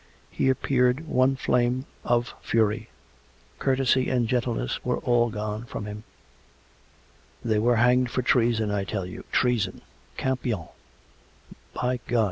He appeared one flame of fury; courtesy and gentleness were all gone from him. " They were hanged for treason, I tell you. ... Treason !... Campion! ... By God!